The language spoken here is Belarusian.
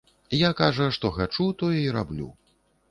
Я, кажа, што хачу, тое і раблю.